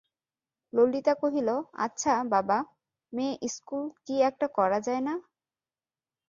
ললিতা কহিল, আচ্ছা, বাবা, মেয়ে-ইস্কুল কি একটা করা যায় না?